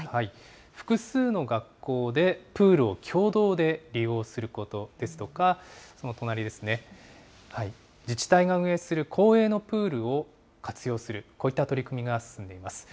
複数の学校でプールを共同で利用することですとか、その隣ですね、自治体が運営する公営のプールを活用する、こういった取り組みが進んでいます。